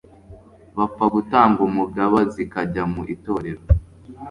Bapfa gutanga umugaba, Zikajya mu itorero